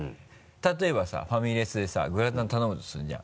例えばさファミレスでさグラタン頼むとするじゃん。